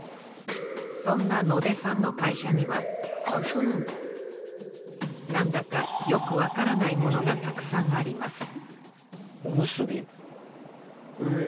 そんな野出さんの会社にはなんだかよくわからないものがたくさんありますおむすび。